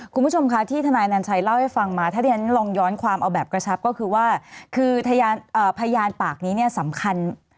คุณผู้ชมคะที่ทนายนันชัยเล่าให้ฟังมาถ้าที่ฉันลองย้อนความเอาแบบกระชับก็คือว่าคือพยานปากนี้เนี่ยสำคัญ